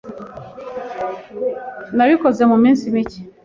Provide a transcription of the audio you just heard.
Nabikoze muminsi mike.